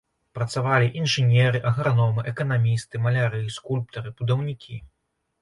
Працавалі інжынеры, аграномы, эканамісты, маляры, скульптары, будаўнікі.